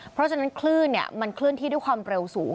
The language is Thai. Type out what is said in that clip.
เพราะฉะนั้นคลื่นมันเคลื่อนที่ด้วยความเร็วสูง